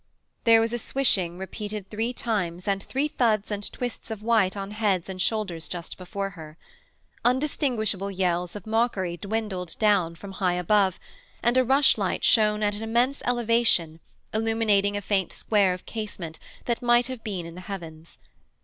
There was a swishing repeated three times and three thuds and twists of white on heads and shoulders just before her. Undistinguishable yells of mockery dwindled down from high above, and a rush light shone at an immense elevation illuminating a faint square of casement that might have been in the heavens.